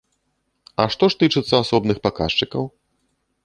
А што ж тычыцца асобных паказчыкаў?